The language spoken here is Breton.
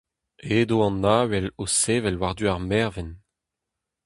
Edo an avel o sevel war-du ar mervent.